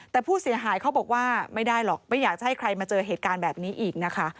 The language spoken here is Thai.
แต่ผู้เสียหายเขาบอกว่าไม่ได้หรอกไม่อยากจะให้ใครมาเจอเหตุการณ์แบบนี้อีกนะคะ